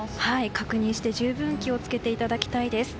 確認して十分気を付けていただきたいです。